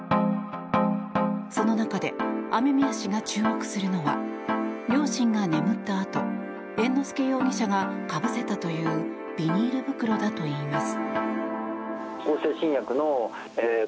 その中で、雨宮氏が注目するのは両親が眠ったあと猿之助容疑者がかぶせたというビニール袋だといいます。